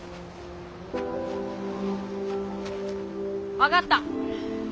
わかった。